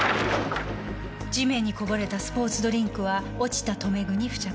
地面にこぼれたスポーツドリンクは落ちた留め具に付着。